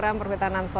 nah seperti tadi